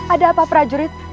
ada apa prajurit